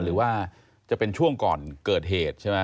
หรือว่าจะเป็นช่วงก่อนเกิดเหตุใช่ไหม